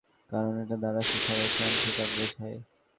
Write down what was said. কারণ, এটা দ্বারা যে সবাই সমান সেটা বোঝায়।